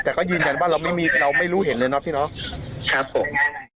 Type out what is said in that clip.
แต่ก็ยืนยันว่าเราไม่มีเราไม่รู้เห็นเลยเนาะพี่น้องครับผม